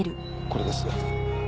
これです。